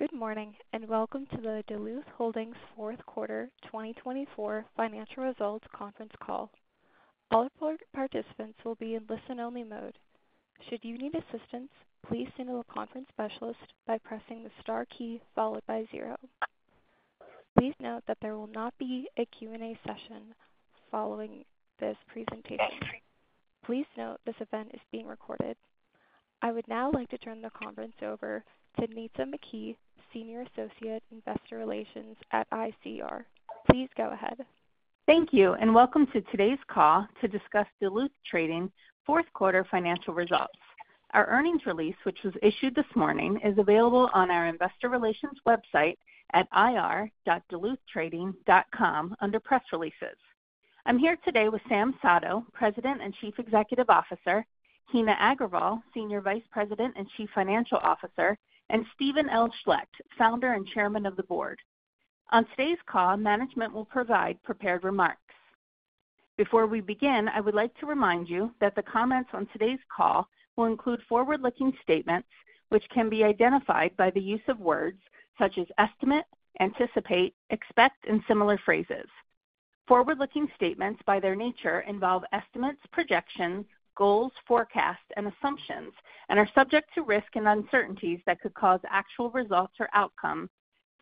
Good morning and welcome to the Duluth Holdings fourth quarter 2024 financial results conference call. All participants will be in listen-only mode. Should you need assistance, please send a conference specialist by pressing the star key followed by zero. Please note that there will not be a Q&A session following this presentation. Please note this event is being recorded. I would now like to turn the conference over to Nitza McKee, Senior Associate, Investor Relations at ICR. Please go ahead. Thank you and welcome to today's call to discuss Duluth Trading's fourth quarter financial results. Our earnings release, which was issued this morning, is available on our Investor Relations website at ir.duluthtrading.com under press releases. I'm here today with Sam Sato, President and Chief Executive Officer; Heena Agrawal, Senior Vice President and Chief Financial Officer; and Stephen L. Schlecht, Founder and Chairman of the Board. On today's call, management will provide prepared remarks. Before we begin, I would like to remind you that the comments on today's call will include forward-looking statements, which can be identified by the use of words such as estimate, anticipate, expect, and similar phrases. Forward-looking statements, by their nature, involve estimates, projections, goals, forecasts, and assumptions, and are subject to risk and uncertainties that could cause actual results or outcome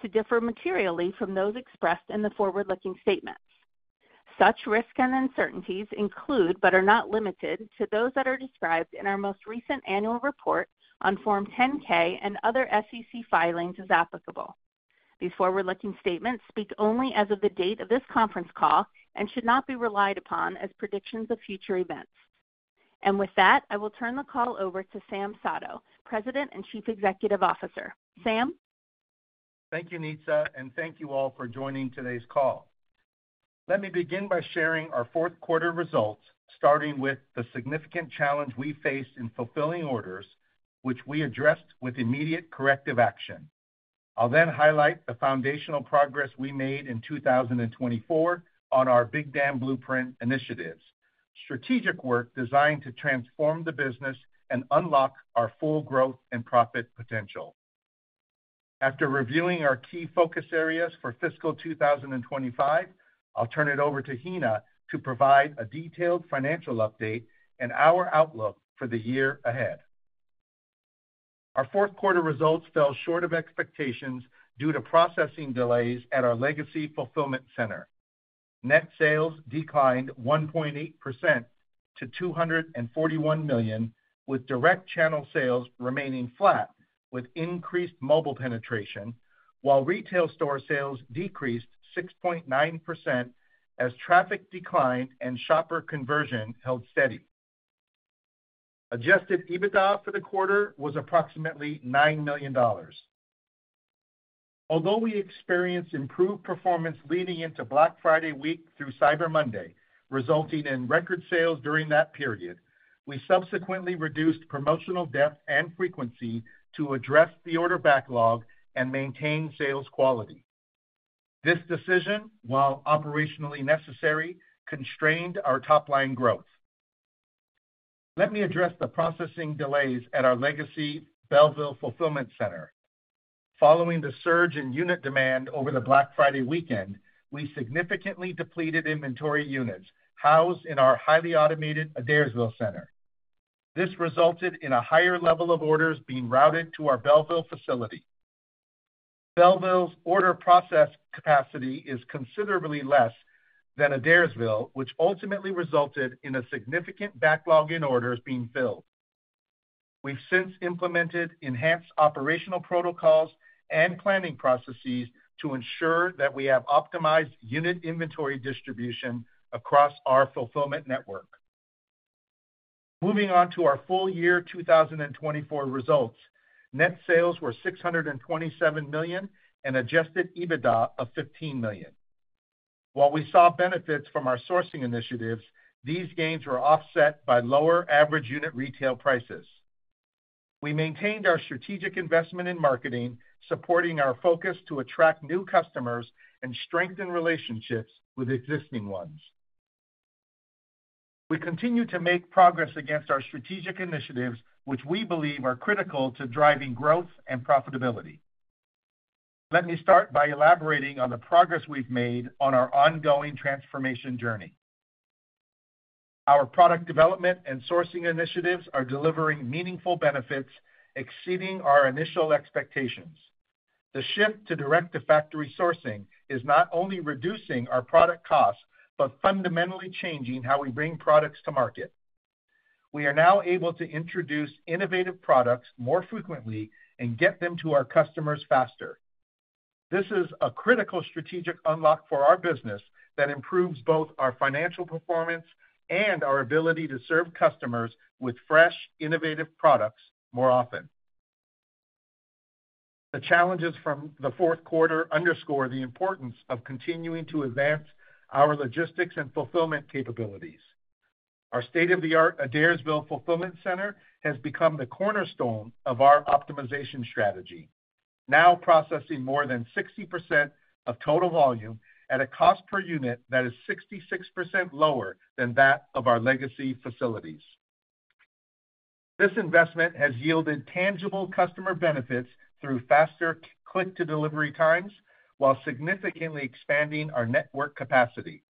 to differ materially from those expressed in the forward-looking statements. Such risk and uncertainties include, but are not limited to, those that are described in our most recent annual report on Form 10-K and other SEC filings as applicable. These forward-looking statements speak only as of the date of this conference call and should not be relied upon as predictions of future events. With that, I will turn the call over to Sam Sato, President and Chief Executive Officer. Sam? Thank you, Nitza, and thank you all for joining today's call. Let me begin by sharing our fourth quarter results, starting with the significant challenge we faced in fulfilling orders, which we addressed with immediate corrective action. I'll then highlight the foundational progress we made in 2024 on our Big Dam Blueprint initiatives, strategic work designed to transform the business and unlock our full growth and profit potential. After reviewing our key focus areas for fiscal 2025, I'll turn it over to Heena to provide a detailed financial update and our outlook for the year ahead. Our fourth quarter results fell short of expectations due to processing delays at our legacy fulfillment center. Net sales declined 1.8% to $241 million, with direct channel sales remaining flat with increased mobile penetration, while retail store sales decreased 6.9% as traffic declined and shopper conversion held steady. Adjusted EBITDA for the quarter was approximately $9 million. Although we experienced improved performance leading into Black Friday week through Cyber Monday, resulting in record sales during that period, we subsequently reduced promotional depth and frequency to address the order backlog and maintain sales quality. This decision, while operationally necessary, constrained our top-line growth. Let me address the processing delays at our legacy Belleville Fulfillment Center. Following the surge in unit demand over the Black Friday weekend, we significantly depleted inventory units housed in our highly automated Adairsville Center. This resulted in a higher level of orders being routed to our Belleville facility. Belleville's order process capacity is considerably less than Adairsville, which ultimately resulted in a significant backlog in orders being filled. We've since implemented enhanced operational protocols and planning processes to ensure that we have optimized unit inventory distribution across our fulfillment network. Moving on to our full year 2024 results, net sales were $627 million and adjusted EBITDA of $15 million. While we saw benefits from our sourcing initiatives, these gains were offset by lower average unit retail prices. We maintained our strategic investment in marketing, supporting our focus to attract new customers and strengthen relationships with existing ones. We continue to make progress against our strategic initiatives, which we believe are critical to driving growth and profitability. Let me start by elaborating on the progress we've made on our ongoing transformation journey. Our product development and sourcing initiatives are delivering meaningful benefits exceeding our initial expectations. The shift to direct-to-factory sourcing is not only reducing our product costs but fundamentally changing how we bring products to market. We are now able to introduce innovative products more frequently and get them to our customers faster. This is a critical strategic unlock for our business that improves both our financial performance and our ability to serve customers with fresh, innovative products more often. The challenges from the fourth quarter underscore the importance of continuing to advance our logistics and fulfillment capabilities. Our state-of-the-art Adairsville Fulfillment Center has become the cornerstone of our optimization strategy, now processing more than 60% of total volume at a cost per unit that is 66% lower than that of our legacy facilities. This investment has yielded tangible customer benefits through faster click-to-delivery times while significantly expanding our network capacity.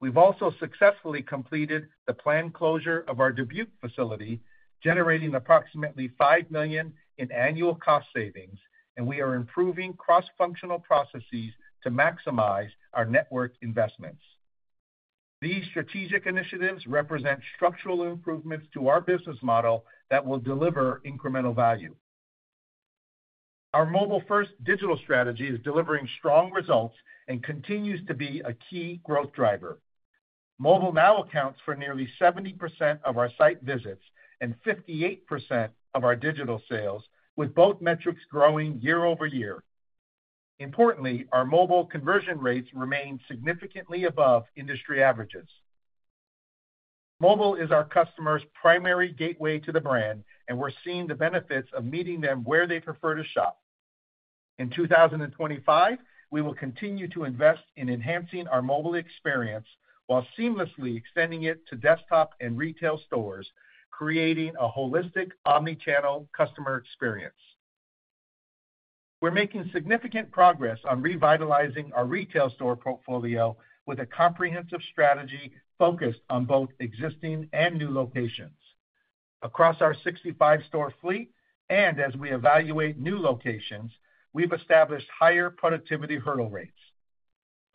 We've also successfully completed the planned closure of our Dubuque facility, generating approximately $5 million in annual cost savings, and we are improving cross-functional processes to maximize our network investments. These strategic initiatives represent structural improvements to our business model that will deliver incremental value. Our mobile-first digital strategy is delivering strong results and continues to be a key growth driver. Mobile now accounts for nearly 70% of our site visits and 58% of our digital sales, with both metrics growing year over year. Importantly, our mobile conversion rates remain significantly above industry averages. Mobile is our customer's primary gateway to the brand, and we're seeing the benefits of meeting them where they prefer to shop. In 2025, we will continue to invest in enhancing our mobile experience while seamlessly extending it to desktop and retail stores, creating a holistic omnichannel customer experience. We're making significant progress on revitalizing our retail store portfolio with a comprehensive strategy focused on both existing and new locations. Across our 65-store fleet and as we evaluate new locations, we've established higher productivity hurdle rates.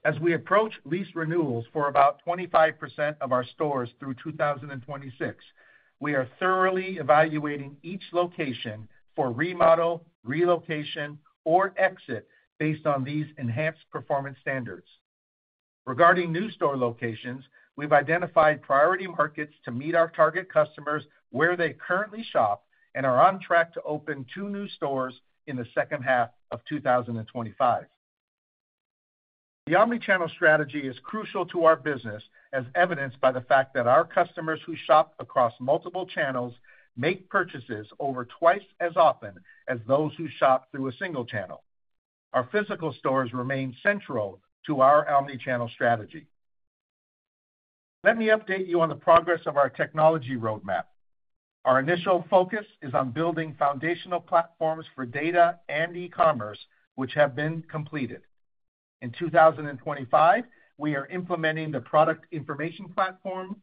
As we approach lease renewals for about 25% of our stores through 2026, we are thoroughly evaluating each location for remodel, relocation, or exit based on these enhanced performance standards. Regarding new store locations, we've identified priority markets to meet our target customers where they currently shop and are on track to open two new stores in the second half of 2025. The omnichannel strategy is crucial to our business, as evidenced by the fact that our customers who shop across multiple channels make purchases over twice as often as those who shop through a single channel. Our physical stores remain central to our omnichannel strategy. Let me update you on the progress of our technology roadmap. Our initial focus is on building foundational platforms for data and e-commerce, which have been completed. In 2025, we are implementing the product information platform,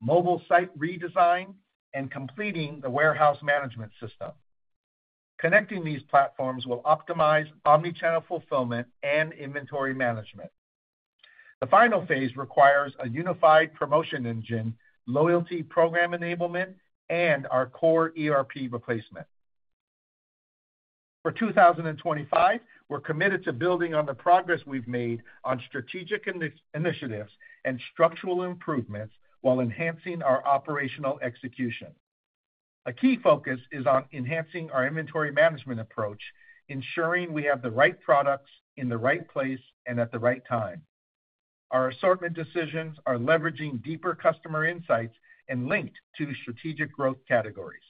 mobile site redesign, and completing the warehouse management system. Connecting these platforms will optimize omnichannel fulfillment and inventory management. The final phase requires a unified promotion engine, loyalty program enablement, and our core ERP replacement. For 2025, we're committed to building on the progress we've made on strategic initiatives and structural improvements while enhancing our operational execution. A key focus is on enhancing our inventory management approach, ensuring we have the right products in the right place and at the right time. Our assortment decisions are leveraging deeper customer insights and linked to strategic growth categories.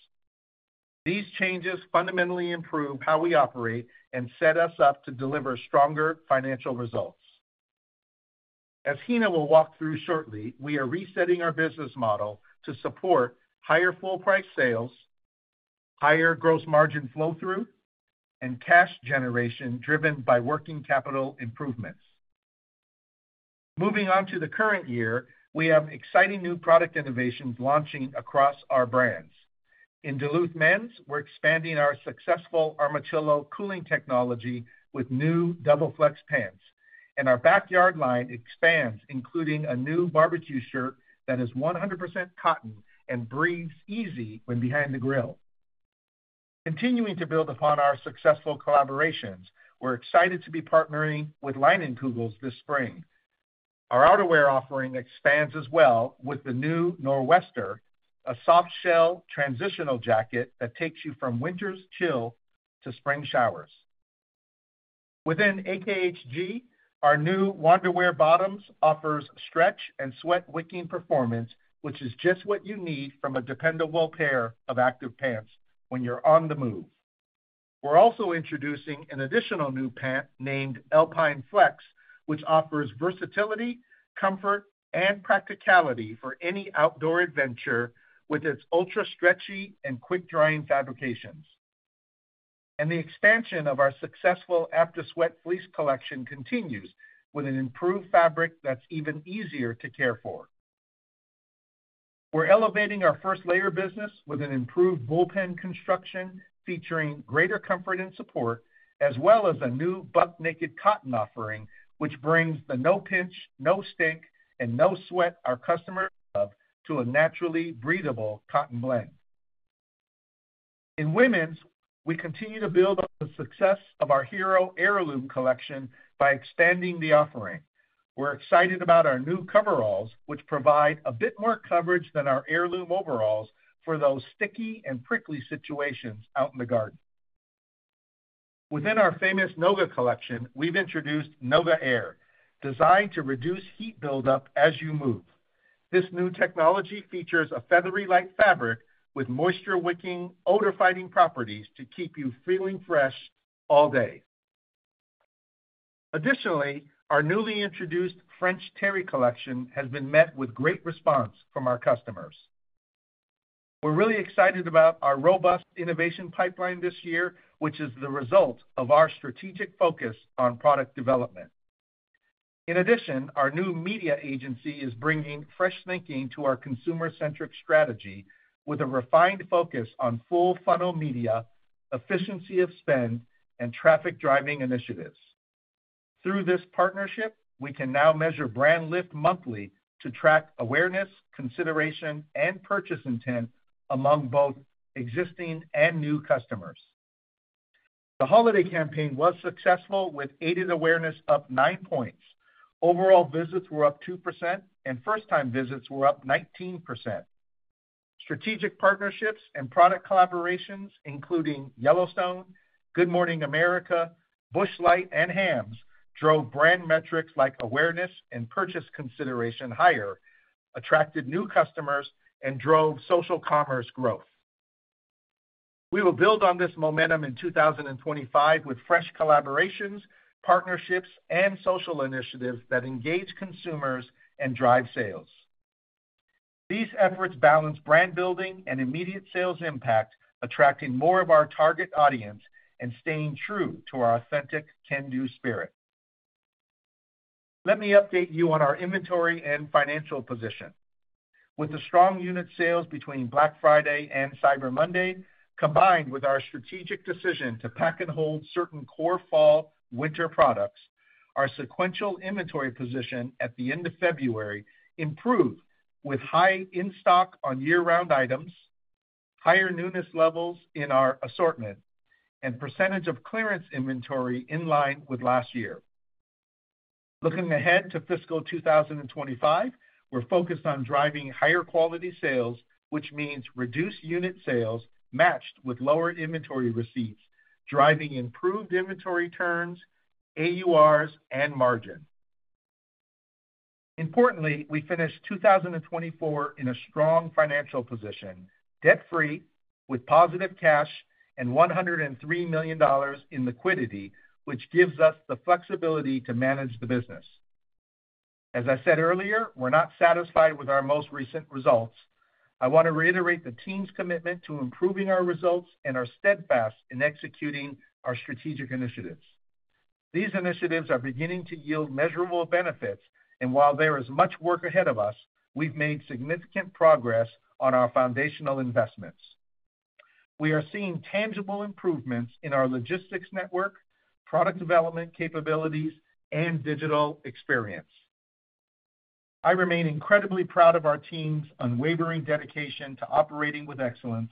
These changes fundamentally improve how we operate and set us up to deliver stronger financial results. As Heena will walk through shortly, we are resetting our business model to support higher full-price sales, higher gross margin flow-through, and cash generation driven by working capital improvements. Moving on to the current year, we have exciting new product innovations launching across our brands. In Duluth Men's, we're expanding our successful Armachillo Cooling Technology with new Double Flex Pants, and our Backyard Line expands, including a new BBQ Shirt that is 100% cotton and breathes easy when behind the grill. Continuing to build upon our successful collaborations, we're excited to be partnering with Leinenkugel's this spring. Our outerwear offering expands as well with the new Nor'Wester, a softshell transitional jacket that takes you from winter's chill to spring showers. Within AKHG, our new Wanderwear Bottoms offers stretch and sweat-wicking performance, which is just what you need from a dependable pair of active pants when you're on the move. We're also introducing an additional new pant named AlpineFlex, which offers versatility, comfort, and practicality for any outdoor adventure with its ultra-stretchy and quick-drying fabrications. The expansion of our successful After Sweat Fleece collection continues with an improved fabric that's even easier to care for. We're elevating our first-layer business with an improved Bullpen Construction featuring greater comfort and support, as well as a new Buck Naked Cotton offering, which brings the no pinch, no stink, and no sweat our customers love to a naturally breathable cotton blend. In women's, we continue to build on the success of our hero Heirloom Collection by expanding the offering. We're excited about our new coveralls, which provide a bit more coverage than our Heirloom coveralls for those sticky and prickly situations out in the garden. Within our famous NoGa Collection, we've introduced NoGa Air, designed to reduce heat buildup as you move. This new technology features a feathery-like fabric with moisture-wicking, odor-fighting properties to keep you feeling fresh all day. Additionally, our newly introduced French Terry Collection has been met with great response from our customers. We're really excited about our robust innovation pipeline this year, which is the result of our strategic focus on product development. In addition, our new media agency is bringing fresh thinking to our consumer-centric strategy with a refined focus on full funnel media, efficiency of spend, and traffic driving initiatives. Through this partnership, we can now measure brand lift monthly to track awareness, consideration, and purchase intent among both existing and new customers. The holiday campaign was successful with aided awareness up 9 percentage points. Overall visits were up 2%, and first-time visits were up 19%. Strategic partnerships and product collaborations, including Yellowstone, Good Morning America, Busch Light, and Hamm's, drove brand metrics like awareness and purchase consideration higher, attracted new customers, and drove social commerce growth. We will build on this momentum in 2025 with fresh collaborations, partnerships, and social initiatives that engage consumers and drive sales. These efforts balance brand building and immediate sales impact, attracting more of our target audience and staying true to our authentic can-do spirit. Let me update you on our inventory and financial position. With the strong unit sales between Black Friday and Cyber Monday, combined with our strategic decision to pack and hold certain core fall winter products, our sequential inventory position at the end of February improved with high in-stock on year-round items, higher newness levels in our assortment, and percentage of clearance inventory in line with last year. Looking ahead to fiscal 2025, we're focused on driving higher quality sales, which means reduced unit sales matched with lower inventory receipts, driving improved inventory turns, AURs, and margin. Importantly, we finished 2024 in a strong financial position, debt-free, with positive cash and $103 million in liquidity, which gives us the flexibility to manage the business. As I said earlier, we're not satisfied with our most recent results. I want to reiterate the team's commitment to improving our results and are steadfast in executing our strategic initiatives. These initiatives are beginning to yield measurable benefits, and while there is much work ahead of us, we've made significant progress on our foundational investments. We are seeing tangible improvements in our logistics network, product development capabilities, and digital experience. I remain incredibly proud of our team's unwavering dedication to operating with excellence,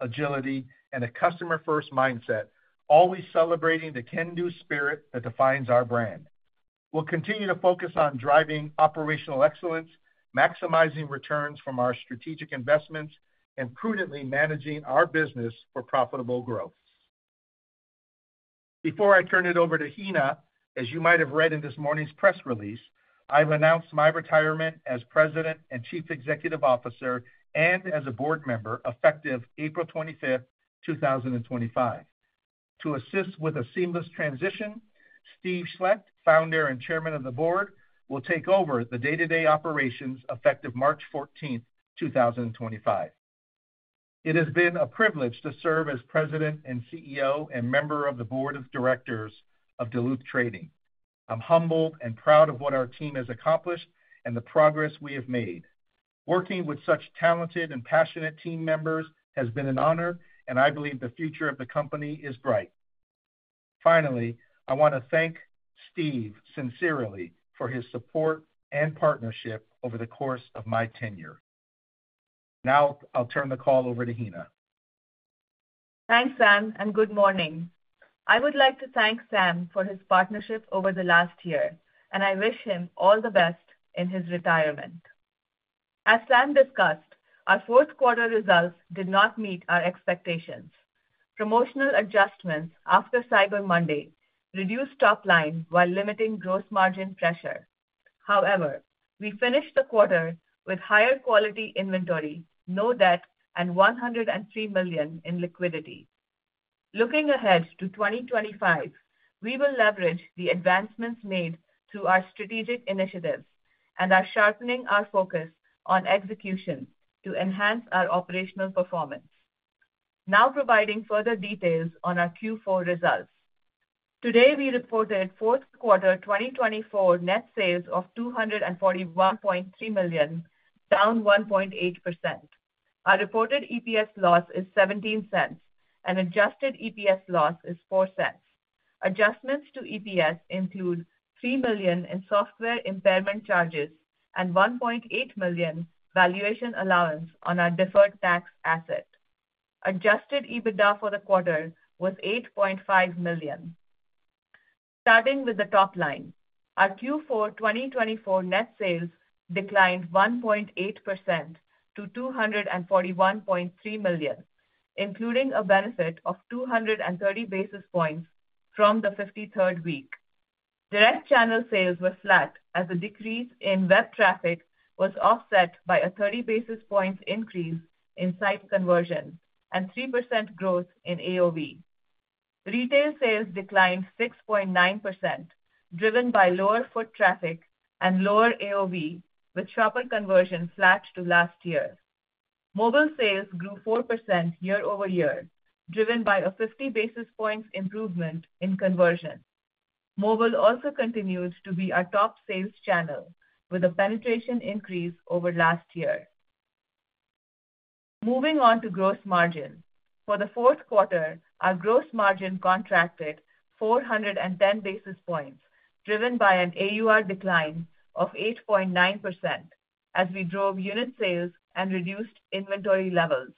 agility, and a customer-first mindset, always celebrating the can-do spirit that defines our brand. We'll continue to focus on driving operational excellence, maximizing returns from our strategic investments, and prudently managing our business for profitable growth. Before I turn it over to Heena, as you might have read in this morning's press release, I've announced my retirement as President and Chief Executive Officer and as a board member effective April 25, 2025. To assist with a seamless transition, Steve Schlecht, Founder and Chairman of the Board, will take over the day-to-day operations effective March 14, 2025. It has been a privilege to serve as President and CEO and member of the Board of Directors of Duluth Trading. I'm humbled and proud of what our team has accomplished and the progress we have made. Working with such talented and passionate team members has been an honor, and I believe the future of the company is bright. Finally, I want to thank Steve sincerely for his support and partnership over the course of my tenure. Now I'll turn the call over to Heena. Thanks, Sam, and good morning. I would like to thank Sam for his partnership over the last year, and I wish him all the best in his retirement. As Sam discussed, our fourth-quarter results did not meet our expectations. Promotional adjustments after Cyber Monday reduced top line while limiting gross margin pressure. However, we finished the quarter with higher quality inventory, no debt, and $103 million in liquidity. Looking ahead to 2025, we will leverage the advancements made through our strategic initiatives and are sharpening our focus on execution to enhance our operational performance. Now providing further details on our Q4 results. Today, we reported fourth quarter 2024 net sales of $241.3 million, down 1.8%. Our reported EPS loss is $0.17, and adjusted EPS loss is $0.04. Adjustments to EPS include $3 million in software impairment charges and $1.8 million valuation allowance on our deferred tax asset. Adjusted EBITDA for the quarter was $8.5 million. Starting with the top line, our Q4 2024 net sales declined 1.8% to $241.3 million, including a benefit of 230 basis points from the 53rd week. Direct channel sales were flat as a decrease in web traffic was offset by a 30 basis points increase in site conversion and 3% growth in AOV. Retail sales declined 6.9%, driven by lower foot traffic and lower AOV, with shopper conversion flat to last year. Mobile sales grew 4% year over year, driven by a 50 basis points improvement in conversion. Mobile also continues to be our top sales channel, with a penetration increase over last year. Moving on to gross margin. For the fourth quarter, our gross margin contracted 410 basis points, driven by an AUR decline of 8.9%, as we drove unit sales and reduced inventory levels.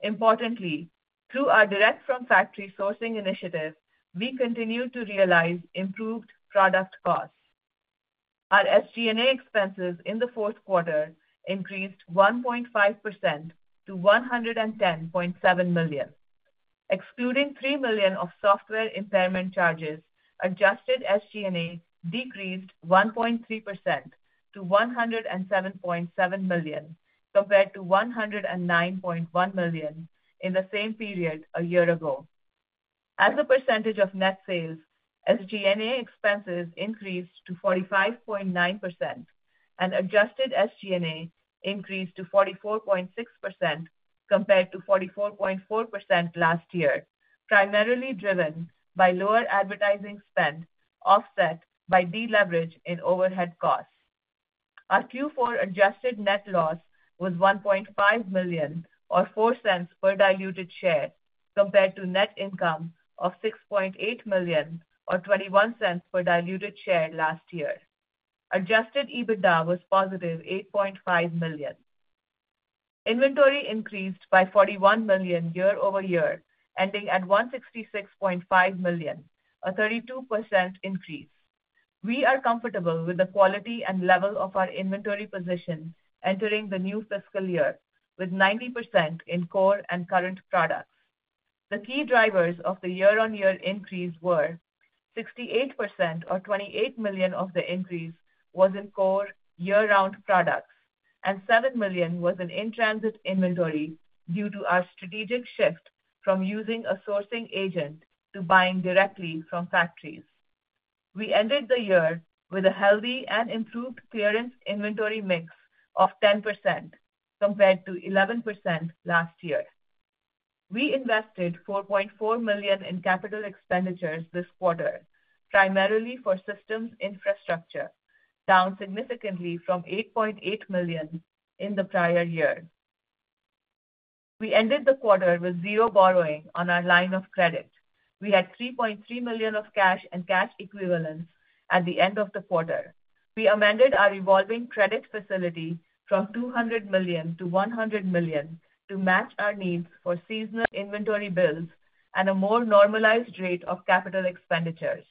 Importantly, through our direct from factory sourcing initiative, we continue to realize improved product costs. Our SG&A expenses in the fourth quarter increased 1.5% to $110.7 million. Excluding $3 million of software impairment charges, adjusted SG&A decreased 1.3% to $107.7 million, compared to $109.1 million in the same period a year ago. As a percentage of net sales, SG&A expenses increased to 45.9%, and adjusted SG&A increased to 44.6%, compared to 44.4% last year, primarily driven by lower advertising spend offset by deleverage in overhead costs. Our Q4 adjusted net loss was $1.5 million, or $0.04 per diluted share, compared to net income of $6.8 million, or $0.21 per diluted share last year. Adjusted EBITDA was positive $8.5 million. Inventory increased by $41 million year over year, ending at $166.5 million, a 32% increase. We are comfortable with the quality and level of our inventory position entering the new fiscal year, with 90% in core and current products. The key drivers of the year-on-year increase were 68%, or $28 million of the increase was in core year-round products, and $7 million was in in-transit inventory due to our strategic shift from using a sourcing agent to buying directly from factories. We ended the year with a healthy and improved clearance inventory mix of 10%, compared to 11% last year. We invested $4.4 million in capital expenditures this quarter, primarily for systems infrastructure, down significantly from $8.8 million in the prior year. We ended the quarter with zero borrowing on our line of credit. We had $3.3 million of cash and cash equivalents at the end of the quarter. We amended our evolving credit facility from $200 million-$100 million to match our needs for seasonal inventory bills and a more normalized rate of capital expenditures.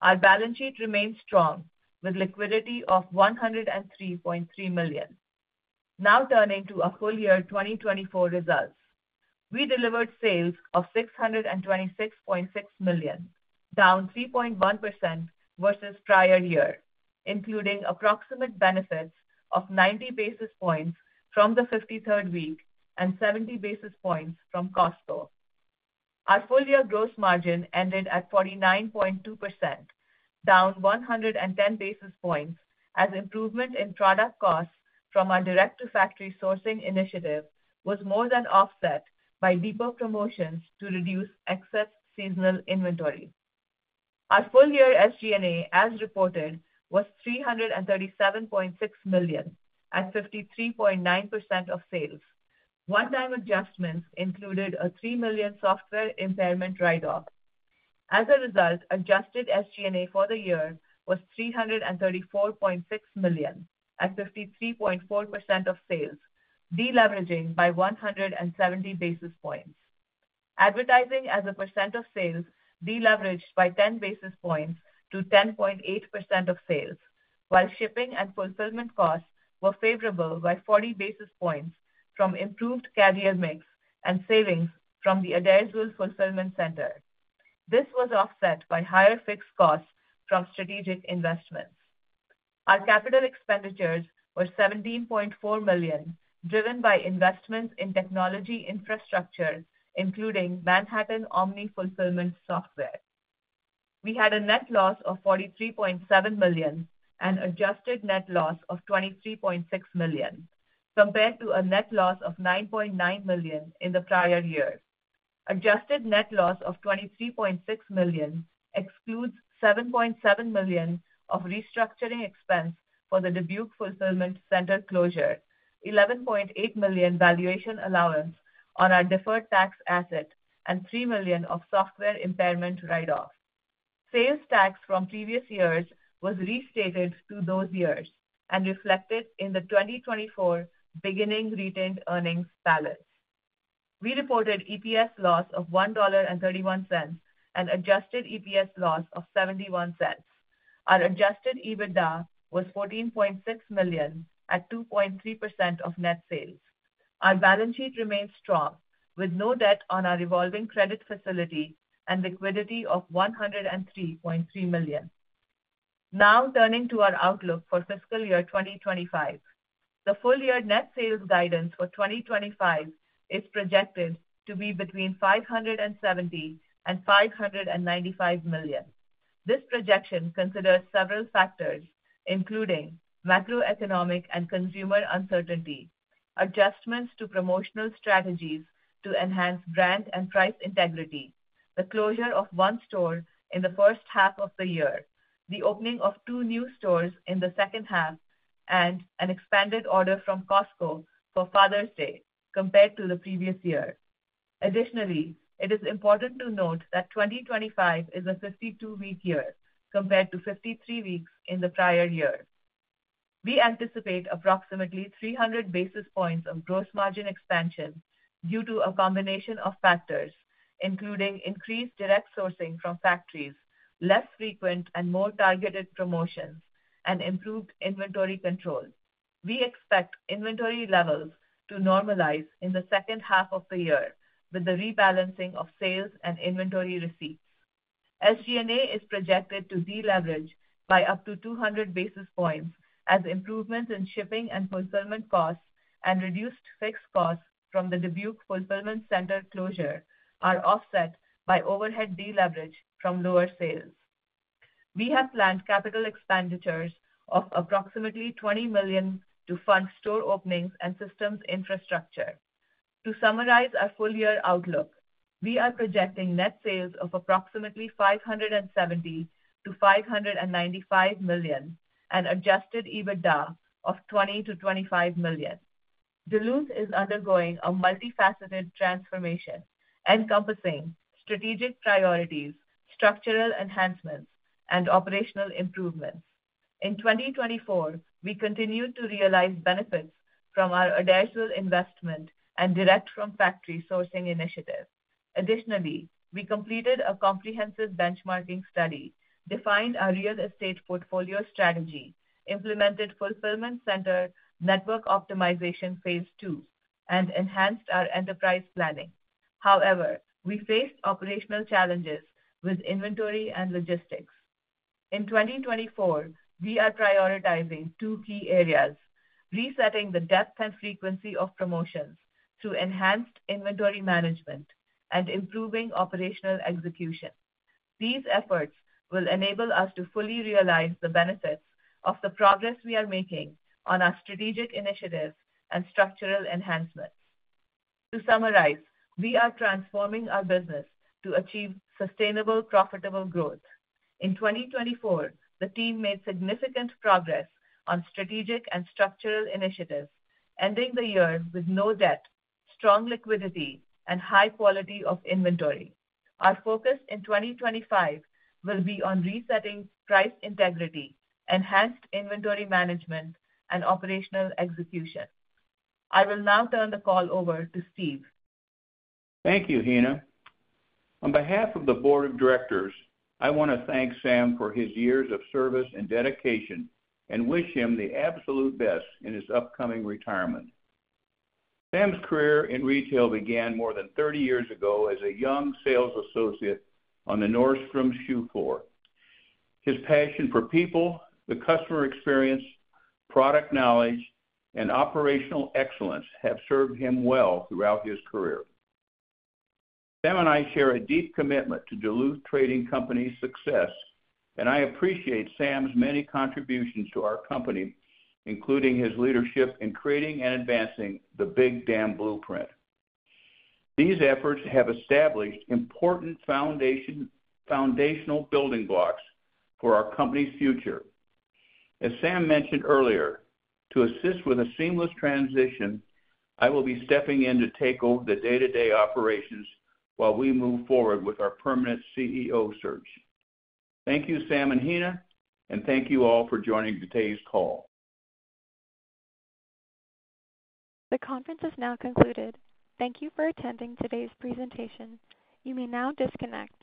Our balance sheet remained strong, with liquidity of $103.3 million. Now turning to our full year 2024 results, we delivered sales of $626.6 million, down 3.1% versus prior year, including approximate benefits of 90 basis points from the 53rd week and 70 basis points from Costco. Our full year gross margin ended at 49.2%, down 110 basis points, as improvement in product costs from our direct-to-factory sourcing initiative was more than offset by deeper promotions to reduce excess seasonal inventory. Our full year SG&A, as reported, was $337.6 million at 53.9% of sales. One-time adjustments included a $3 million software impairment write-off. As a result, adjusted SG&A for the year was $334.6 million at 53.4% of sales, deleveraging by 170 basis points. Advertising as a percent of sales deleveraged by 10 basis points to 10.8% of sales, while shipping and fulfillment costs were favorable by 40 basis points from improved carrier mix and savings from the Adairsville Fulfillment Center. This was offset by higher fixed costs from strategic investments. Our capital expenditures were $17.4 million, driven by investments in technology infrastructure, including Manhattan Omni fulfillment software. We had a net loss of $43.7 million and adjusted net loss of $23.6 million, compared to a net loss of $9.9 million in the prior year. Adjusted net loss of $23.6 million excludes $7.7 million of restructuring expense for the Dubuque Fulfillment Center closure, $11.8 million valuation allowance on our deferred tax asset, and $3 million of software impairment write-off. Sales tax from previous years was restated to those years and reflected in the 2024 beginning retained earnings balance. We reported EPS loss of $1.31 and adjusted EPS loss of $0.71. Our adjusted EBITDA was $14.6 million at 2.3% of net sales. Our balance sheet remained strong, with no debt on our evolving credit facility and liquidity of $103.3 million. Now turning to our outlook for fiscal year 2025, the full year net sales guidance for 2025 is projected to be between $570 million and $595 million. This projection considers several factors, including macroeconomic and consumer uncertainty, adjustments to promotional strategies to enhance brand and price integrity, the closure of one store in the first half of the year, the opening of two new stores in the second half, and an expanded order from Costco for Father's Day, compared to the previous year. Additionally, it is important to note that 2025 is a 52-week year compared to 53 weeks in the prior year. We anticipate approximately 300 basis points of gross margin expansion due to a combination of factors, including increased direct sourcing from factories, less frequent and more targeted promotions, and improved inventory control. We expect inventory levels to normalize in the second half of the year with the rebalancing of sales and inventory receipts. SG&A is projected to deleverage by up to 200 basis points as improvements in shipping and fulfillment costs and reduced fixed costs from the Dubuque Fulfillment Center closure are offset by overhead deleverage from lower sales. We have planned capital expenditures of approximately $20 million to fund store openings and systems infrastructure. To summarize our full year outlook, we are projecting net sales of approximately $570 million-$595 million and adjusted EBITDA of $20 million-$25 million. Duluth is undergoing a multifaceted transformation encompassing strategic priorities, structural enhancements, and operational improvements. In 2024, we continued to realize benefits from our Adairsville investment and direct from factory sourcing initiative. Additionally, we completed a comprehensive benchmarking study, defined our real estate portfolio strategy, implemented fulfillment center network optimization phase two, and enhanced our enterprise planning. However, we faced operational challenges with inventory and logistics. In 2024, we are prioritizing two key areas: resetting the depth and frequency of promotions through enhanced inventory management and improving operational execution. These efforts will enable us to fully realize the benefits of the progress we are making on our strategic initiatives and structural enhancements. To summarize, we are transforming our business to achieve sustainable, profitable growth. In 2024, the team made significant progress on strategic and structural initiatives, ending the year with no debt, strong liquidity, and high quality of inventory. Our focus in 2025 will be on resetting price integrity, enhanced inventory management, and operational execution. I will now turn the call over to Steve. Thank you, Heena. On behalf of the Board of Directors, I want to thank Sam for his years of service and dedication and wish him the absolute best in his upcoming retirement. Sam's career in retail began more than 30 years ago as a young sales associate on the Nordstrom shoe floor. His passion for people, the customer experience, product knowledge, and operational excellence have served him well throughout his career. Sam and I share a deep commitment to Duluth Trading Company's success, and I appreciate Sam's many contributions to our company, including his leadership in creating and advancing the Big Dam Blueprint. These efforts have established important foundational building blocks for our company's future. As Sam mentioned earlier, to assist with a seamless transition, I will be stepping in to take over the day-to-day operations while we move forward with our permanent CEO search. Thank you, Sam and Heena, and thank you all for joining today's call. The conference is now concluded. Thank you for attending today's presentation. You may now disconnect.